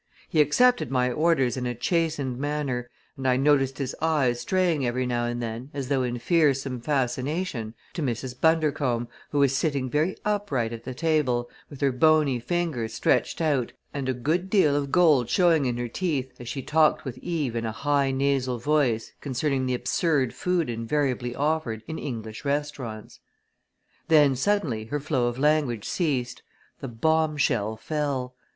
He accepted my orders in a chastened manner, and I noticed his eyes straying every now and then, as though in fearsome fascination, to Mrs. Bundercombe, who was sitting very upright at the table, with her bony fingers stretched out and a good deal of gold showing in her teeth as she talked with Eve in a high nasal voice concerning the absurd food invariably offered in English restaurants. Then suddenly her flow of language ceased the bomb shell fell!